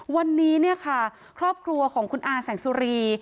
วันนี้เนี่ยค่ะครอบครัวของคุณอาแสงสุรี